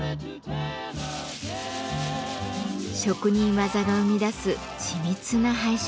職人技が生み出す緻密な配色。